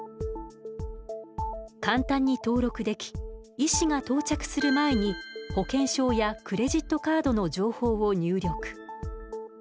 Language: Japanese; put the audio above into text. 簡単に登録でき医師が到着する前に保険証やクレジットカードの情報を入力。